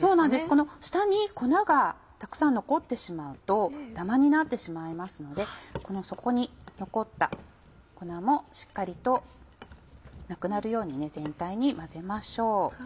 この下に粉がたくさん残ってしまうとダマになってしまいますのでこの底に残った粉もしっかりとなくなるように全体に混ぜましょう。